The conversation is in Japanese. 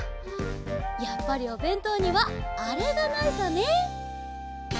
やっぱりおべんとうにはあれがないとね！